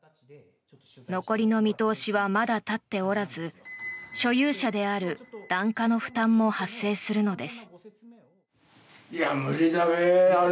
残りの見通しはまだ立っておらず所有者である檀家の負担も発生するのです。